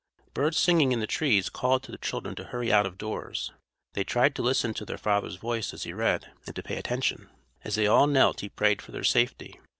Birds singing in the trees called to the children to hurry out of doors. They tried to listen to their father's voice as he read, and to pay attention. As they all knelt he prayed for their safety.